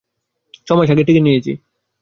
ছমাস আগে টিকে নিয়েছি।